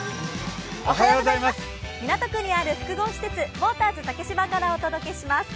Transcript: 港区にあるウォーターズ竹芝からお届けします。